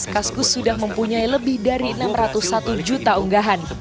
kaskus sudah mempunyai lebih dari enam ratus satu juta unggahan